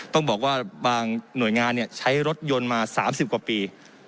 ต้องบอกว่าบางหน่วยงานเนี้ยใช้รถยนต์มาสามสิบกว่าปี